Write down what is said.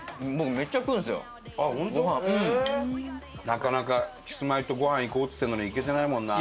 なかなかキスマイとごはん行こうっつってるのに行けてないもんな。